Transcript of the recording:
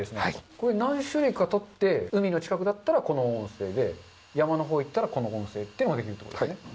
これ、何種類かとって海の近くだったらこの音声で、山のほう行ったらこの音声っていうのができるというわけですね。